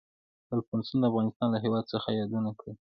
الفونستون د افغانستان له هېواد څخه یادونه کړې.